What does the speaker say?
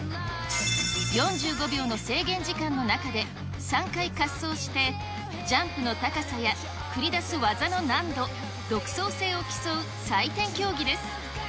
４５秒の制限時間の中で、３回滑走して、ジャンプの高さや繰り出す技の難度、独創性を競う採点競技です。